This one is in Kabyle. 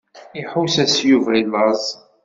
Iḥuss-as Yuba i laẓ.